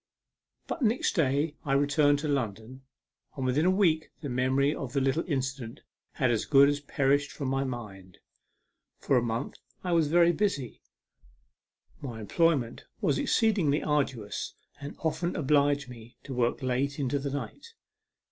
But next day I returned to London, and within a week the memory of the little incident had as good as perished from my mind. For a month I was very busy. My employment was exceedingly arduous, and often obliged me to work late into the night.